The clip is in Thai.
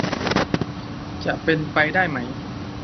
จะเป็นไปได้ไหม